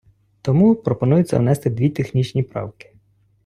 Тому, пропонується внести дві технічні правки.